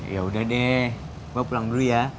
ya udah deh gue pulang dulu ya